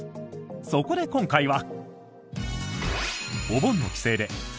そこで、今回は。